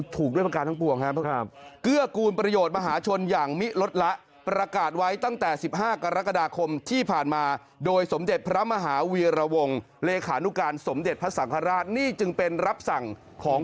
ถ้ายังมีข่าวออกมาอีกว่าเรียกตังเขาแบบนั้นก็